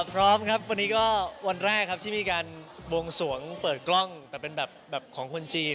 พร้อมครับวันนี้ก็วันแรกครับที่มีการบวงสวงเปิดกล้องแต่เป็นแบบของคนจีน